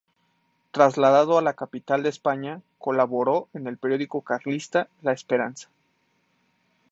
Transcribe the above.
Trasladado a la capital de España, colaboró en el periódico carlista "La Esperanza".